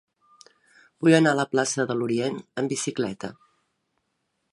Vull anar a la plaça de l'Orient amb bicicleta.